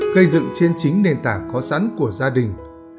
gây dựng trên chính nền tảng có sẵn của gia đình